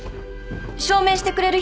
証明してくれる人は？